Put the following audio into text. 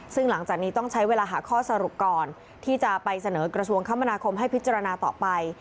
ซึ่งหลังจากนี้ต้องใช้เวลาหาข้อสรุปก่อนที่จะไปเสนอกระทรวงคมนาคมให้พิจารณาต่อไป